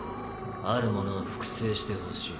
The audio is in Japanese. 「あるもの」を複製してほしい。